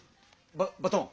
ババトン。